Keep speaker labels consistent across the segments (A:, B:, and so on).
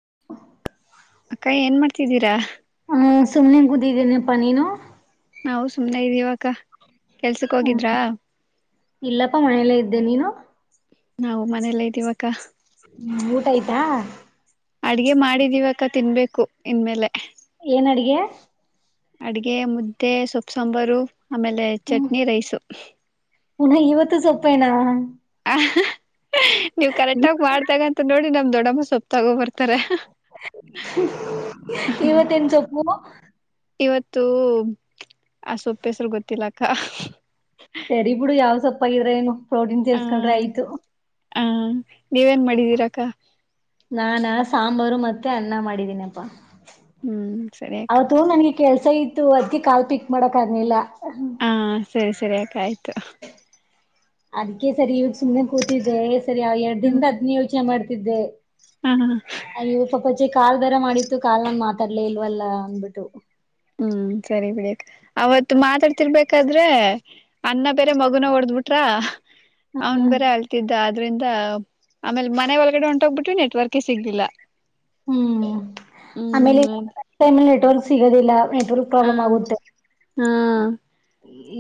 A: [inaudible]
B: ಅಕ್ಕ ಏನ್ ಮಾಡ್ತಿದ್ದೀರಾ
A: ಸುಮ್ಮನೆ ಕೂತಿದೀನಪ್ಪ ನೀನು
B: ನಾವು ಸುಮ್ನೆ ಇದ್ದೀವಕ್ಕ ಕೆಲ್ಸಕ್ಕೆ
A: ಹ್ಮ್
B: ಹೋಗಿದ್ರಾ
A: ಇಲ್ಲಪ್ಪಾ ಮನೆಯಲ್ಲೇ ಇದ್ದೆ ನೀನು
B: ನಾವು ಮನೆಯಲ್ಲ ಇದ್ದೀವಕ್ಕ
A: ಹ್ಮ್ ಊಟ ಆಯ್ತಾ
B: ಅಡ್ಗೆ ಮಾಡಿದ್ ಇಿವಕ ತಿನ್ಬೇಕು ಇನ್ಮೇಲೆ
A: ಏನ್ ಅಡಗೆ
B: ಅಡ್ಗೆ ಮುದ್ದೆ ಸೊಪ್ಪ ಸಾಂಬಾರು ಆಮೇಲೆ ಚಟ್ನಿ ರೈಸ
A: ಹುನ ಇವತ್ತು ಸೊಪ್ಪೇನಾ
B: ಹಾ ಹಾ ನೀವ್ ಕರೆಕ್ಟಾಗ ಮಾಡ್ದಾಗ ಅಂತ ನೋಡಿ ನಮ್ದ್ ದೊಡ್ಡ ನಮ್ಗ ಸೊಪ್ಪ ತಗೋಬರ್ತೀನಿ
A: ಹಾ ಹಾ ಇವತ್ತೇನ್ ಸೊಪ್ಪು
B: ಇವತ್ತು ಆ ಸೊಪ್ಪ ಹೆಸರು ಗೊತ್ತಿಲ್ಲಕ್ಕ
A: ಸರಿ ಬಿಡು ಯಾವ್ ಸೊಪ್ಪಗಿದ್ರೆ ಏನು. ಪ್ರೋಟೀನ್
B: ಆ
A: ತಸ್ಕೊಂಡ್ರೆ ಆಯ್ತು
B: ಆ ನೀವೇನ್ ಮಾಡಿದೀರಕ್ಕ
A: ನಾನಾ ಸಾಂಬಾರು ಮತ್ತೆ ಅನ್ನ ಮಾಡಿದೀನಪ್ಪಾ.
B: ಹ್ಮ್ ಸರಿಯಕ್ಕ
A: ಇತತ್ತು ಅದಕ್ಕೆ ಕಾಲು ಪಿಕ್ ಮಾಡಕ್ ಆಗ್ನಿಲ್ಲ
B: ಹಾ ಸರಿ ಸರಿ ಅಕ್ಕ ಆಯ್ತು. ತ್ತ
A: ಅದಕ್ಕೆ ಸರಿಯ ಸುಮ್ಮನೆ ಕೂತಿದ್ದೆ ಸರಿ ಅವ್ ಎರಡ್ ದಿನ ಹದಿನೇ ಯೋಚನೆ ಮಾಡ್ ಇದ್ದೇ
B: ಹಾ ಹ
A: ೆ ಕಾಲ್ ಬೇರೆ ಮಾಡಿತ್ತು ಕಾಲ್ ನಲ್ಲಿ ಮಾತಾಡ್ಲೇ ಇಲ್ವಲ್ಲ ಅಂದ್ಬಿಟ್ಟು.
B: ಹ್ಮ್ ಸರಿ ಬಿಡಿ ಅವತ್ ಮಾತಾಡ್ತಿರ್ಬೇಕಾದ್ರೆ ಅಣ್ಣ ಬೇರೆ ಮಗುನ ಹೊಡದ್ ಬಿಟ್ರ ಅವನ್
A: ಹ್ಮ
B: ಬರೆ ಅಲ್ತಿದ್ದ ಅದ ಅದರಿಂದ ಆಮೇಲೆ ಮನೆ ಒಳಗಡೆ ಹೊಂಟೋಗ್ಬಿಟವಿ ನೆಟ್ವರ್ಕ ಸಿಗ್ಲಿಲ್ಲ
A: ಹ್ಮ್ ಆಮೇಲೆ
B: ಹ್ಮ್
A: ನೆಟ್ವರ್ಕ್ ಸರಿ ಇಲ್ಲ ಸಿಗದಿಲ್ಲ. ಫುಲ್
B: ಹಾ
A: ಪ್ರಾಬ್ಲಮ್ ಆಗುತ್ತೆ.
B: ಹಾ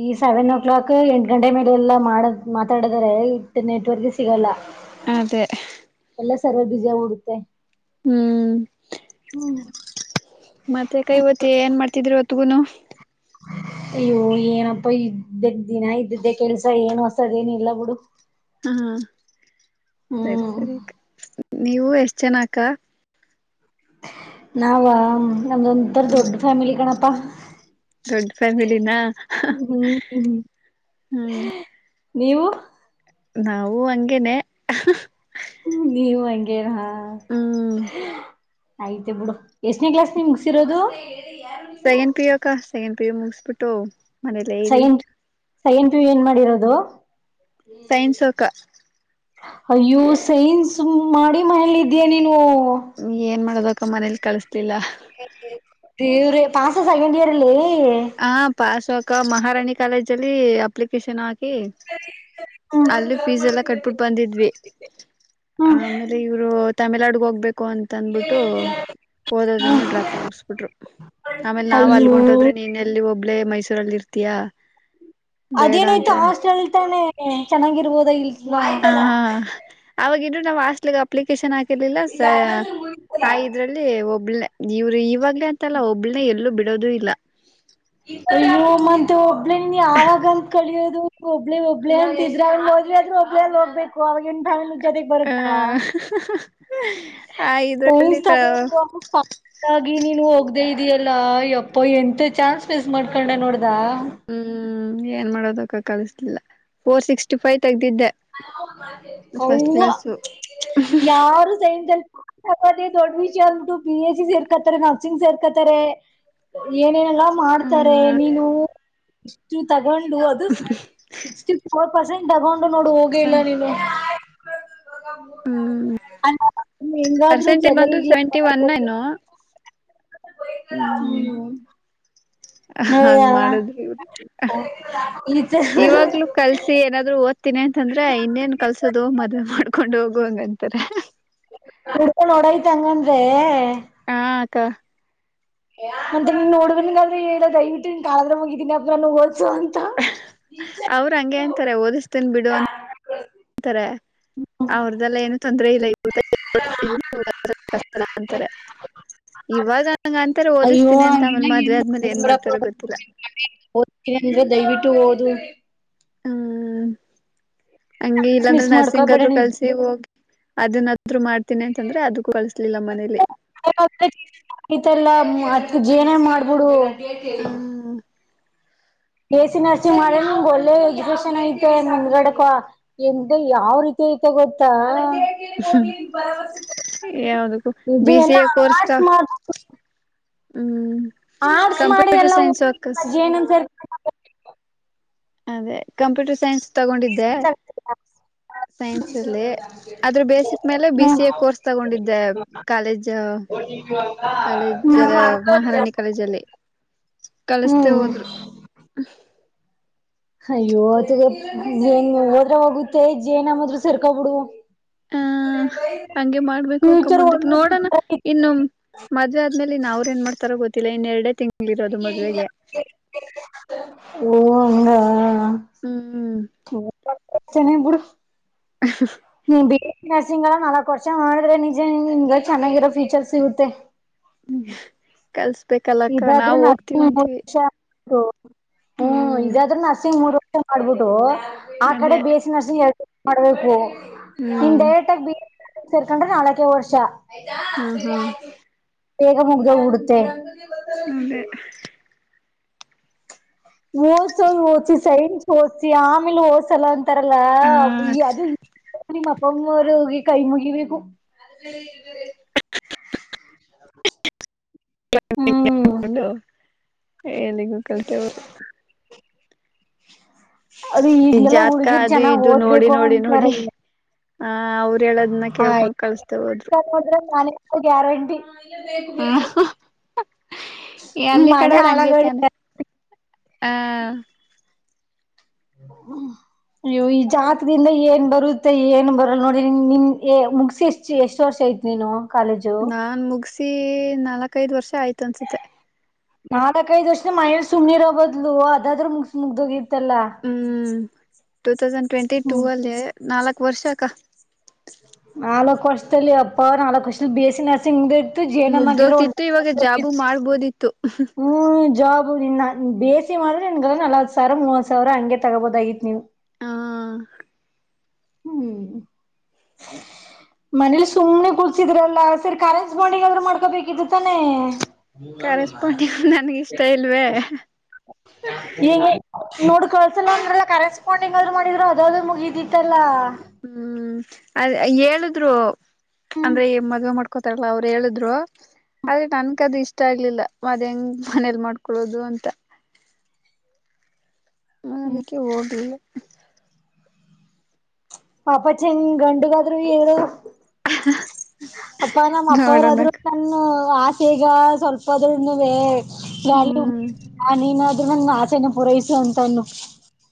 A: ಈ ಸೆವೆನ್ ಓ ಕ್ಲಾಕ್ ಎಂಟ ಗಂಟೆ ಮೇಲೆ ಎಲ್ಲ ಮಾಡ ಮಾತಾಡಿದರೆ ಇಟ್ ನೆಟ್ವರ್ಕ್ ಸಿಗಲ್ಲ.
B: ಅದೆೇ
A: ಎಲ್ಲ ಸರ್ವೆ ಬ್ಯುಸಿಗಿಬಿಡುತ್ತೆ
B: ಹ್ಮ್ ಮತ್ತೆ ಕೈವತ್ತಿ ಏನ್ ಮಾಡ್ತಿದ್ರಿ ಒತ್ತುಗುನು
A: ಅಯ್ಯೋ ಏನಪ್ಪ ಇದ್ದ ದಿನ ಇದ್ದಿದ್ದೆ ಕೆಲ್ಸ ಏನು ಹೊಸದಏನ ಇಲ್ಲ ಬಿಡು.
B: ಹಾ ಸರಿ
A: ಹ್ಮ್
B: ಸರಿ ನೀವು ಎಷ್ಟ ಜನ ಅಕ್ಕ.
A: ನಾವ ನಮ್ದ್ ಒಂತರ
B: ಹ್ಮ್
A: ದೊಡ್ಡಫ್ಯಾಮಿಲಿ ಕಣಪ್ಪಾ
B: ದೊಡ್ಡ ಫ್ಯಾಮಿಲಿನಾ
A: ಹ್ಮ
B: ಹ್ಮ್
A: ನೀವು
B: ನಾವು ಹಂಗೇನೆ ಹಾ ಹಾ
A: ನೀವ ಹಂಗೇರ ಹ
B: ಹ್ಮ್
A: ಆಯ್ತ ಬಿುಡು ಎಷ್ಟನೇ ಕ್ಲಾಸ್ ನಿಮ ಮುಗ್ಸಿರೋದು
B: ಸೈನ್ ಪಿಯೋಕಾ ಸೈನ್. ಬೇ ಮುಿಸಬಿಟ್ಟು ಮನೆಯಲ್ಲ ಇದ್ದವಿ
A: ಸೈನ್ ಪು ಏನ್ ಮಾಡಿರೋದು
B: ಸೈನ್ಸೋಕ
A: ಅಯ್ಯೋ ಸೈನ್ಸ್ ಮಾಡಿ ಮಹಳಿದ್ಯಾ ನೀನು
B: ಏನ್ ಮಾಡೋದ ಅಕ್ಕ ಮನೇಲಿ ಕಳಿಸ್ತಿಲ್ಲ
A: ವ್ರ ಪಸ್ ಸೆಕೆಂಡ್ ಇಯರ್ ಇಲ್ಲಿ
B: ಹಾ ಪಸ್ ಕ ಮಹಾರಾಣಿ ಕಾಲೇಜ್ ಅಲ್ಲಿ ಅಪ್ಲಿಕೇಶನ್ ಹಾಕಿ ಹ ಅಲ್ಲಿ ಫೀಸ್ ಎಲ್ಲ ಕಟ್ಬಿಟ್ಟು ಬಂದಿದ್ವಿ
A: ಹಾ
B: ಆ ಆಮೇಲೆ ಇವ್ರು ತಮಿಳ್ನಾಡುಗ ಹೋಗ್ಬೇಕು ು ಅಂತ ಅಂದಬಿಟ್ಟು ಓದೋದನ್ನ ಡ್ರಾಪ್ ಮಾಡಿಸ್ಬಿಟ್ರು ಆಮೇಲೆ ನಾವ್
A: ಅಯ್ಯೋ
B: ಅಲ್ಗೊಂಡಟೋದ್ರೆ ನೀನ್ ಎಲ್ಲಿ ಒಬ್ಬ ಳೇ ಮೈಸೂರಲ್ಲಿ ಇರ್ತೀಯಾ ಬೇಡ ಅಂತ
A: ಅದೇನಾಯ್ತು ಹಾಸ್ಟೆಲ್ ತಾನೆ ಚೆನ್ನಾಗಿರ್ಬೋದ ಇಲ್
B: ಹ ಹಾ ಆಾಗ ವಸ್ಲಿ ಅಪ್ಲಿಕೇಶನ್ ಆ ಹಲಿಲ್ಲ ಸ ಆ ಇದ್ರಲ್ಲಿ ಒಬ್ನೆ ಇವರು ಇವಾಗ ಅಂತಲ್ಲ ಒಬ್ಳನ ಎಲ್ಲೂ ಬಿಟ್ಟ ಮಾಡೋದು ಇಲ್ಲ
A: ಇ ಮತ್ ಒಬ್ಳನ್ ಯಾವಾಗ ಕಳಿಯೋದು ಹುಬ್ಳ್ಳಿ ಹುಬ್ಳ್ಳಿ ಅಲ್ಲಿ ಬಿದ್ದವಳ ಹುಬ್ಳ್ಳಿ ಅಲ್ಲಿ ಹೋಗಬೇಕು ಅವ ಫ್ಯಾಮಿಲಿ ಜತೆಗ್ ಬರುತ್ತಾ
B: ಹ ಆ ಇದ್ರಲ್ಲಿ
A: ಒಾಗಿ ನೀನು ಹೋಗ್ದ ಅೇ ಇದೆಯಲ್ಲ ಯಪ್ಪ ಎಂತ ಚಾನ್ಸ್ ಮಿಸ್ ಮಾಡ್ಕೊಂಡೆ ನೋಡ್ದ
B: ಹ್ಮ್ ಏನ್ ಮಾಡೋದಕ್ಕ ಕಲಿಸ್ಲಿಲ್ಲ ಫೋರ್ ಸಿಕ್ಸ್ಟಿ ಫೈವ್ ತೆಗ್ದಿದ್ದೆ ಫಸ್ಟ್
A: ಹವ
B: ಕ್ಲಾಸು
A: ಯಾರು ಸೈನ್ಸ್ ಅ ಪತಿ ದೊಡ್ಡ ವಿಷಯ ಅಂದಬಿಟ್ಟು ಬಿ ಎಸ್ ಸಿ ಸೇರ್ಕತ್ತಾರೆ ನರ್ಸಿಂಗ್ ಸೇರ್ಕತ್ತಾರೆ ಏನೇನಲ್ಲ ಮಾಡ್ತಾರೆ ನೀನು ತಗೊಂಡು ಅದು ಸಿಕ್ಟಿಫೋರ ಪರ್ಸೆಂಟ್ ತಗೊಂಡು ನೋಡು ಹ ಇಲ್ಲ ನೀನು ಇಲ್ಲ
B: ಹ್ಮ್ ಪರ್ಸೆಂಟೇಜ್
A: ಜಗಳ
B: ಬಂದು
A: ಗಿಗಳ
B: ಸೆವೆಂಟಿ
A: ಮಾಡಿ
B: ಒನ್ ಏನೋ ಹ್ಮ
A: ಹ್ಮ್
B: ಹಂಗ್
A: ನೋಡ್ದ
B: ಮಾಡದ್ರಿ ಇವರು
A: ಈ ತರ
B: ಇವಾಗ್ಲು ಕಲ್ಸಿ ಏನಾದ್ರು ತ್ತಿನಿ ಅಂತಂದ್ರೆ ಇನ್ನೇನ್ ಕಲ್ಸೋದು ಮದುವೆ ಮಾಡ್ಕೊಂಡ್ ಹೋಗ ಹಂಗಂತಾರೆ
A: ಹುಡ್ಕೊಂಡೋಡೈತ್ ಹಂಗಂದ್ರೆ
B: ಕುಕ್ಕ
A: ಮತ್ತೆ ನೀನ್ ಹುಡುಗನಿಗೆ ಆದರೂ ಹೇಳು ದಯವಿಟ್ಟು ನೀನ್ ಕಾಲದ್ರೆ ಮುಗಿತಿನಿ ಅ ನಾನು ಹಓದ
B: ಅವ್ರ ಹಂಗೆ ಅಂತಾರೆ ಓದಿಸ್ತೀನ್ ಬಿಡು ಅ ಅಂತಾರೆ ಅವ್ರ್ದಲ್ಲ ಏನು ತೊಂದ್ರ ಇಲ್ಲ ಅಂತ ಇವಾಗ ಹಂಗ ಅಂತಾರೆ
A: ಅಯ್ಯೋ
B: ಓದಿಸ್ತೀನಿ ಅಂತ
A: ಹಂಗೆಲ್ಲ
B: ಆಮೇಲೆ ಮದ್ವೆ
A: ಏನು
B: ಆದ್ಮೇಲೆ ಏನ್
A: ನೋಡಪ್ಪ
B: ಮಾಡ್ತಾರ ಗೊತ್ತಿಲ್ಲ
A: ಓದ್ತೀನಿ ಅಂದ್ರೆ ದಯವಿಟ್ಟು ಓದು
B: ಹ್ಮ ಹಂಗೆ ಇಲ್ಲಾಂದ್ರೆ
A: ಮಿಸ್
B: ನರ್ಸಿಂಗ
A: ಮಾಡ್ಕೊಬೇಡ
B: ಆದ್ರು
A: ನಿಜ
B: ಕಲ್ಸಿ ಹೋಗಿ ಅದನ್ನ ಇದ್ರು ಮಾಡ್ತೀನಿ ಅಂತಂದ್ರೆ ಅದಕ್ಕೂ ಕಳಸ್ಲಿಲ್ಲ ಮನೇಲಿ
A: ಮತ್ ಜಿ ಎನ್ ಎಂ ಮಾಡ್ಬಿಡು
B: ಆ
A: ಬಿ ಎಸ್ ಸಿ ನರ್ಸಿಂಗ್ ಮಾಡ್ರ ನಮಗೆ ಒಳ್ಳೆ ಎಜುಕೇಶನ್ ಐತೆಂದ್ಗಡಕ ಎಂತ ಯಾವ್ ರೀತಿ ಐತೆ ಗೊತ್ತಾ ಹಿ
B: ಯಾವದಕ್ಕೂ
A: ಭರವಸೆಜ
B: ಬಿ ಸಿ
A: ಎಲ್ಲ
B: ಎ ಕೋರ್ಸ್ಗ
A: ಆರ್ಸ್ ಮಾಡ
B: ಹ್ಮ್
A: ಆರ್ಟ್ಸ್ ಮಾಡಿ
B: ಕಂಪ್ಯೂಟರ್
A: ಎಲ್ಲ ಹೋಗ
B: ಸೈನ್ಸ್ ಅಕಸ್
A: ಅಜ್ಜ ಏನಂದ ಸರ್
B: ಅದೇ ಕಂಪ್ಯೂಟರ್ ಸೈನ್ಸ್ ತಗೊಂಡಿದ್ದೆ ಸೈನ್ಸ್ ಅಲ್ಲಿ ಆದ್ರ ಬೇಸಿಕ್ ಮೇಲೆ
A: ಹ್ಮ
B: ಬಿ ಸಿ ಎ ಕೋರ್ಸ್ ತಗೊಂಡಿದ್ದೆ ಕಾಲೇಜ್ ಕಾಲೇಜ ಮಹಾರಾಣಿ ಕಾಲೇಜ ಅಲ್ಲಿ ಕಳಿಸತೇ
A: ಹ್ಮ್
B: ಹೋದ್ರು
A: ಅಯ್ಯವತ್ತುಗ ಏನ್ ಹೋದ್ರ ಹೋಗುತ್ತೆ ಜಏನಮ್ಮದ್ ಸರ್ಕೊ ಬಿಡು
B: ಹ ಹಂಗೆ ಮಾಡ್ಬೇಕು ಅಕ್ಕ
A: ಫ್ಯೂಚರ್
B: ಮುಂದಕ್ಕೆ
A: ಒಳ್ಳೆ
B: ನೋಡೋಣ ಇನ್ನು ಮದ್ವೆ ಆದ್ಮೇಲೆ ಇನ್ನು ಅವ್ರ್ ಏನ್ ಮಾಡ್ತಾರಬಹದು ಇನ್ನ ಎರಡು ತಿಂಗಳು ಅಲ್ಲಿರೋದು ಮದುವೆಗೆ
A: ಹಂದು
B: ಹ್ಮ್
A: ಚನ ಬುಡು
B: ಹ [inaudible]
A: ನೀ ಬಿ, ಎಸ್ ನರ್ಸಿಂಗ್ ಎಲ್ಲ ನಾಲ್ಕು ವರ್ಷ ಮಾಡಿದ್ರೆ, ನಿಜ ನಿನಗೆಚೆನ್ನಾಗಿರೋ ಫೀಚರ್ಸ್ ಸಿಗುತ್ತೆ. -
B: ಹ್ಮ, ಕಲ್ಸ-
A: ಇದಾದ್ರು ಹತ್ತು ವರ್ಷ. - ಹ [inaudible] ಹ್ಮ್, ಇದಾದ್ರೂ ನೂನಸಿಂಗ ಮೂರು- ಇಷ್ಟ ಮಾಡ್ಬಿಟ್ಟು [inaudible] [unintelligible] ಆ ಕಡೆ
B: ಅದೇ
A: ಬಿ, ಎಸಿ, ನರ್ಸ್ಂಗ ಹೇಳ್- ಮಾಡ್ಬೋದು. - ನಿಮ
B: ಹ್ಮ್
A: ರೆಟಾಗ ಬ [unintelligible] ಸರ್ಕೊಂಡ್ರೆ ನಾಲ್ಕೇ ವರ್ಷ, - ಆಯತಾ,
B: ಹಾ
A: ಸರಿ
B: ಹಾ
A: ಆಯತು. - ಬೇಗ ಮುಗದಹೋಗಬಿಡತೆ. -
B: ಅದೇ [unintelligible]
A: ಓದಸೋದು, ಓದಸಿ ಸೈನ್ಸ್ ಓದಸಿ ಆಮೇಲೆ ಓದಸಲ್ಲ ಅಂತ., - ತಾರಲ್ಲ
B: ಆ
A: ಅದು ನಿಮ್ಮ- ಒಮ್ಮವರುೋಗಿ ಕೈ ಮುಗಿಬೇಕು [unintelligible]
B: [inaudible]
A: ಹ್ಮ್
B: [inaudible] ಏನಗೂ ಕಲ್ತೆವರು [unintelligible]
A: ಅದು
B: ಈ
A: ಈಗ್ಲೆಲ್ಲ
B: ಜಾತ್ಕ
A: ಹುಡ್ಗಿರ್
B: ಅದು
A: ಚೆನ್ನಾಗ್
B: ಇದು ನೋಡಿ,
A: ಓದ್ಬೇಕು
B: ನೋಡಿ,
A: ಅಂತಾರೆ
B: ನೋಡಿ ಆ ಅವ್ರು ಹೇಳದನ್ನ
A: ಆಯ್
B: ಕೇಳ್ಕೊಂಡ್ ಕಳಸ್ತೇ ಹೋದ್ರು,
A: ನೋಡ್ರೆ ನಾನೇ ಗ್ಯಾರಂಟಿ
B: ಹ ಅಲ್ಲಿ
A: ಮನೆ
B: ಕಡೆವ್ರು
A: ಹಾಳಾಗಡಿ
B: ಹಂಗೇತಾನೆ ಆ-
A: ಹ್ಮ, ನೀವು ಈ ಜಾತದಿಂದ ಏನ್ ಬರುತ್ತೆ. ಏನ್ ಬರಲ್ ನೋಡ್ರ ನಿನ್ ಮುಗಸಿ ಎಷ್ಟ ಎಷ್ಟ್ ವರ್ಷ ಐತಿ ನೀನು., -
B: ನಾನ್ ಮುಗಸ- ಪ್ರತಿ ನಾಲ್ಕೈದ್ ವರ್ಷ ಆಯ್ತು ಅನ್ಸುತ್ತೆ. -
A: ನಾಳ ಕೈಷ್ಟೆ ಮಹೇಲಿ ಸುಮ್ನೆ ಇರೋ ಬದ್ಲು ಅದಾದ್ರರು ಮುಗ ಮುಗ್ದೋಗ.
B: ಹ್ಮ್, ಟೂ ತೌಸ್ ಟ್ವೆಂಟಿ ಟೂ
A: ಹ್ಮ್
B: ಅಲ್ಲಿ ನಾಲ್- ವರ್ಷಕ [unintelligible]
A: ನಾಲ್ಕ ವರ್ಷದಲ್ಲಿ ಅಪ್ಪ ಅವರು ನಾಲ್ಕ ವರ್ಷದಲ್ಲಿ B, A C, nursing- J N M
B: ಮುಗ್ದೋಗ್ತಿತ್ತು. ಇವಾಗ ಜಾಬು ಮಾಡ್ಬೋದಿತ್ತು.
A: ಹ್ಮ, ಜಾ ಬುರಿ ನ [unintelligible] ಬಿ, ಎಸಿ ಮಾಡ್ರೆ ನಿನ್ಗಳ ನಲ್ವತ್ ಸಾವಿರ ಮೂವತ್ ಸಾವಿರ ಹಂ ತಗೋಬೋದ. ಆಐತಿತ್ ನೀವು-
B: ಹ [inaudible] [inaudible]
A: ಹ್ಮ್, ಮನೇಲಿ ಸುಮಮ್ಮ್ನೆ ಕುಳ್ಸಿದ್ರಲ್ಲ ಸರಿ ಕರೆಂಟ್ಸ್ ಬಾಂಡಿಂಗ ಆದ್ರರು ಮಾಡ್ಕೋಬೇಕಿದ. - ತಾನೆ-
B: ಕರೆಸ್ಪಾಂಡಿಂಗ್ ನನ್ಗ ಇಷ್ಟ ಇಲ್ವೇ
A: ನೋಡ್ ಕಳ್ಸಲ್ ಅಂದ್ರಲ್ಲ ಕರೆಸ್ಪಾಂಡಿಂಗ್ ಅದ್ರು ಮಾಡಿದ್ರು, ಅದಾದ್ರರು ಮುಗಿದಿತ್ತಲ್ಲಾ,.
B: ಹ್ಮ್ ಅದ್ ಹೇಳುದ್ರು
A: ಹ್ಮ್
B: ಅಂದ್ರೆ ಮದುವ ಮಾಡ್ಕ ಕೋತಾರಲ್ಲ ಅವ್ರು ಹೇಳಿದ್ರು ಆದ್ರೆ ನನ್ಕದು ಇಷ್ಟ ಆಗ್ಲಿಲ್ಲ ಮದ್ ಹೆಂಗ ಮನೇಲ್ ಮಾಡ್ಕೊೊಳ್ಳೋದು ಅಂತ ಹ ಅದಕ್ಕೆ ಓದಿಲ್ಲ
A: ಪಾಪ ಚೆಂದ ಗಂಡುಗಾದ್ರು ಏರು ಅಪ್ಪ ನಮ್ಮ ಅಪ್ಪ ಅವರಾದ್ರು
B: ನೋಡೋಣಕ್ಕ
A: ನನ್ನ ಆ ಈಗ ಸ್ವಲ್ಪದ್ರ ಇನ್ನು ಬೇ
B: ಹ್ಮ್
A: [unintelligible] ನನ್ನ ಆಸೆನ ಪೂರೈಸು ಅಂತ ಅನ್ನು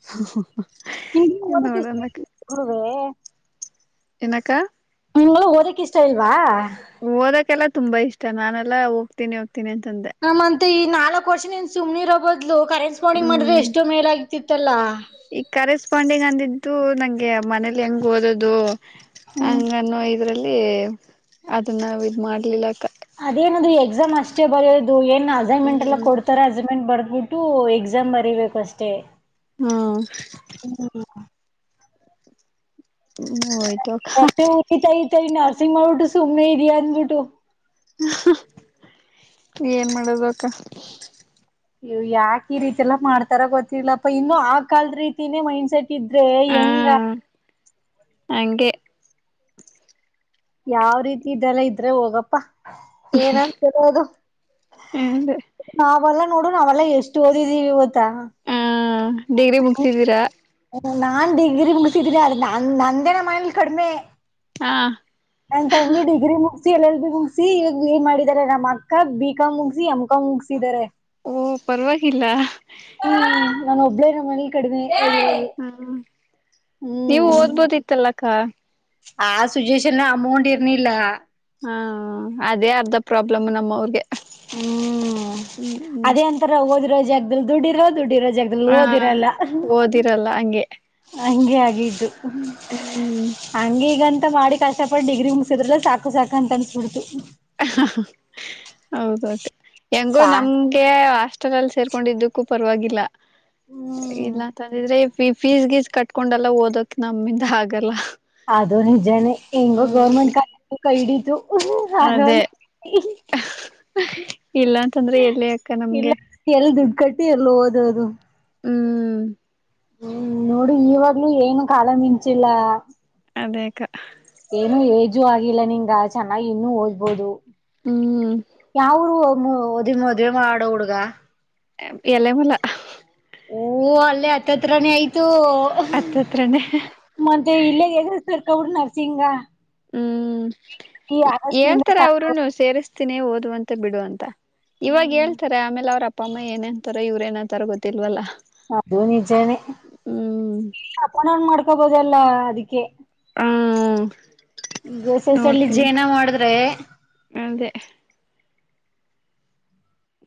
B: ಹಾ ಹಾ
A: [unintelligible]
B: ಏನಕ್ಕ
A: ನಿಂಗಳು ಓದಕಿಷ್ಟ ಇಲ್ವಾ
B: ಓದಕ್ಕೆೆಲ್ಲಾ ತುಂಬಾ ಇಷ್ಟ ನಾನೆಲ್ಲ ಹೋಗ್ತೀನಿ ಹೋಗತ
A: ಹಂತತ್ ಈ ನಾಲ್ಕು ವರ್ಷನ್ ಸುಮ್ನಿರು ಹೂ ಮದ್ಲು ಕರೆಟ್ಸ್ಪಂಡಿಂಗ್ ಮಾಡಿದ್ರೆ
B: ಹ್ಮ್
A: ಎಷ್ಟು ಮೇಲ ಆಗ್ತಿತ್ತಲ್ಲ
B: ಇತ್ತು ನಂಗೆ ಮನೇಲಿ ಹೆಂಗ ಓದೋದು
A: ಹ್ಮ್
B: ಹಂಗ ನ ಇ ಇದ್ರಲ್ಲಿ ಅದನ್ನ ನಾವ ಇದ ಮಾಡ್ಲಿಲ್ಲ
A: ಅದೇನದು ಎಕ್ಸಾಮ್ ಅಷ್ಟೇ ಬರೆಯೋದು ಏನ್ ಅಸೈನ್ಮೆಂಟ್ ಎಲ್ಲಾ
B: ಹ್ಮ್
A: ಕೊಡ್ತಾರೆ ಅಸೈನ್ಮೆಂಟ್ ಬರದು ಬಿಟ್ಟು ಎಕ್ಸಾಮ್ ಬರಿೀಬೇಕು ಅಷ್ಟೇ
B: ಹಾ ಹೋಯ್ತು ಅಕ್ಕ
A: ಮತ್ತೆ ಊತ ಇತ ಈ ನ ಸಿಂಗಬಊಟ್ಟು ಸುಮ್ಮನೆ ಇದ ಅನ್ ಬಿಟ್ಟು
B: ಹ ಏನ್ ಮಾಡದ ಅಕ್ಕ
A: ಇ ಯಾಕ ಈ ರೀತಿ ಎಲ್ಲಾ ಮಾಡ್ತಾರ ಗೊತ್ತಿಲ್ಲಪ್ಪ ಇನ್ನು ಆ ಕಾಲದ ರೀತಿನೇ ಮೈಂಡ್ಸೆಟ್ ಿದ್ರೆ
B: ಹಾ
A: ಹೆಂಗ
B: ಹಂಗೆ [inaudible] [unintelligible]
A: ಯಾವ ರೀತಿ ಇದೆಲ್ಲ ಇದ್ರೆ ಹೋಗಪ್ಪ ಏನಂತ ಹೇಳದು
B: ಅದೇ
A: ಅವೆಲ್ಲ ನೋಡಣ ಅವೆಲ್ಲಾ ಎಷ್ಟು ಓದಿದೀವಿ ಇವತ್ತ
B: ಹ್ಮ ಡಿಗ್ರಿ ಮುಗಸಿದೀರಾ
A: ನಾನ್ ಡಿಗ್ರಿ ಮುಡಿಸಿಿದನ ಅಂದೇನ ಮನೆಯಲ್ಲಿ ಕಡಿಮೆ
B: ಹಾ
A: ನನ್ ತಂಗಿ ಡಿಗ್ರಿ ಮುಗಿಸಿ ಮುಗಿ ಎಲ್ ಎಲ್ ಬಿ ಮುಗಿಸಿ ಈಗ ಬಿ ಇ ಮಾಡಿದಿದ್ದಾರೆ ನಮ್ಮ್ ಅಕ್ಕ ಬಿ ಕಂ ಮುಗಸಿ ಎಂ ಕಂ ಮುಗಸಿದಿದ್ದಾರೆ
B: ಓ ಪರವಾಗಿಲ್ಲ
A: ನಾನು ಒಬ್ಬಳೇ ನಮ್ಮ ಮನೆಲಿ ಕಡಮೆ
B: ಹ್ಮ್ ನೀವು
A: ಹ್ಮ್
B: ಓದ್ಬೋದ ಇತ್ತಲ್ಲ ಅಕ್ಕ
A: ಆ ಸುಚ್ಚುವಷನ್ ಅಮೌಂಟ್ ಇರ್ನಿಲ್ಲ
B: ಹಾ ಅದೇ ಅರ್ಧ ಪ್ರಾಬ್ಲಮ್ ನಮ್ಮ ಅವ್ರಿಗೆ
A: ಹ್ಮ್
B: ಹ್ಮ್ ಹ್ಮ್
A: ಅದೇ ಅಂತರ ಓದಿರ ಜಗದಲ್ಲಿ ದುಡಿರೋದು ದುಡ್ಡಿ ಇರೋ ಜಾಗದಲ್ಲಿ
B: ಹಾ
A: ಓದಿರಲ್ಲ
B: ಓದಿರಲ್ಲ ಹಂಗೆ
A: ಹಂಗೆ ಆಗಿದ್ದು
B: ಹ್ಮ್
A: ಹಂಗೆ ಈಗಂತ ಮಾಡಿ ಕಷ್ಟಪಟ್ಟ ಡಿಗ್ರಿ ಮುಗಿಸಿದ್ರಲ್ಲ ಸಾಕು ಸಾಕು ಅಂತ ಅನಿಸಬಿಡ್ತು
B: ಹ ಹೌದು ಅಕ್ಕ ಹೆಂಗು
A: ಪಾ
B: ನಮ್ಗೆ ಅಷ್ಟ ಹತ್ತಿರದಲ್ಲಿ ಸೇರ್ಕೊಂಡಿದ್ದಕ್ಕೂ ಪರವಾಗಿಲ್ಲ
A: ಹ್ಮ್
B: ಇಲ್ಲಂತಂದಿದ್ರೆ ಫೀಸ್ ಗೀಸ್ ಕಟ್ಕೊಂಡಲ್ಲ ಓದಕ್ ನಮ್ಮಿಂದ ಆಗಲ್ಲ
A: ಅದು ನಿಜಾನ ಹೆಂಗೋ
B: ಹ್ಮ್
A: ಗೌರ್ಮೆಂಟ್ ಕೈ ಹಿಡಿತು
B: ಅದೇ
A: ಹೌದು
B: ಇಲ್ಲ ಅಂತಂದ್ರೆ ಎಲ್ಲಿ ಅಕ್ಕ ನಮ್ಗೆ
A: ಎಲ್ಲಿ ದುಡ್ಡು ಕಟ್ಟಿ ಎಲ್ಲಿ ಓದೋದು
B: ಹ್ಮ್
A: ಹ್ಮ್ ನೋಡಿ ಇವಾಗ್ಲುೂ ಏನು ಕಾಲ ಮಿಂಚಿಲ್ಲ
B: ಅದೇ ಅಕ್ಕ
A: ಏಜ್ ಆಗಿಲ್ಲ ನಿನ್ಂಗ ಚೆನ್ನಾಗಿ ಇನ್ನುೂ ಓದ್ಬೋುದು ಯಾವ ಊರು ಓದಿ ಮದುವೆ ಮಾಡೊ ಹುಡುಗ
B: ಎಲೆಮಲ್ಯ
A: ಓ ಅಲ್ಲೇ ಹತ್ತತ್ರನೇ ಆಯ್ತು
B: ಹತ್ತತ್ರನೇ
A: ಮತ್ತೆ ಇಲ್ಲೇ ಎಲ್ಲಿ ಹುಡುಗ ನರ್ಸಿಂಗ
B: ಹ್ಮ್
A: ಈ ಆಗಸ್ಟ್ಲಿಂದ
B: ಹೇಳ್ತಾರೇ
A: ಸ್ಟಾರ್ಟ್
B: ಅವರುನು ಸೇರಿಸ ತಿನೇ ಓದ್ವಂತೆ ಬಿಡು ಅಂತ ಇವಾಗ ಹೇಳ್ತಾರೆ ಆಮೇಲೆ ಅವ್ರ ಅಪ್ಪ ಅಮ್ಮ ಏನೇಂತಾರ ಇವ್ರೇನ ತರಗೊತಿಲ್ವಲ್ಲ
A: ಅದು ನಿಜಾನೇ ಅಪ ಮಾಡ ಹಕಬೋದೆಲ್ಲಾ ಅದಿಕ್ಕೆ
B: ಹ್ಮ್.
A: ಗಸೆಸಲ್ಲಿ ಜೇನ ಮಾಡಿದ್ರೆ
B: [inaudible]